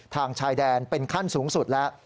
ชายแดนเป็นขั้นสูงสุดแล้ว